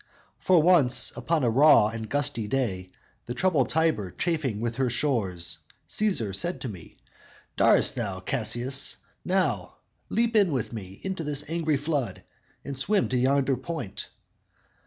For once, upon a raw and gusty day, The troubled Tiber chafing with her shores, Cæsar said to me, 'Dar'st thou, Cassius, now Leap in with me, into this angry flood And swim to yonder point?'